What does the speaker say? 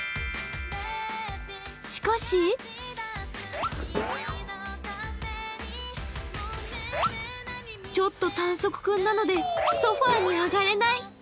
しかしちょっと短足君なのでソファーに上がれない。